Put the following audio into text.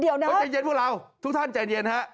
เดี๋ยวใจเย็นพวกเราทุกท่านใจเย็นฮะ